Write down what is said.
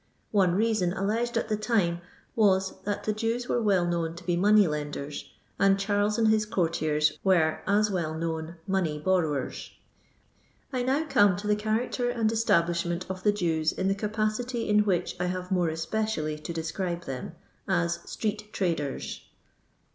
One reason alleged at the time was, that the Jews were well known to be money lenders, and Charles and his courtiers were aa well known money borrowers I I now come to the character and establishment of the Jews in the capacity in which I have more especially to describe them— aa street traders.